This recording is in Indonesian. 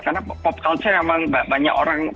karena pop culture memang banyak orang